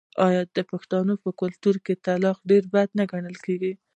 آیا د پښتنو په کلتور کې طلاق ډیر بد نه ګڼل کیږي؟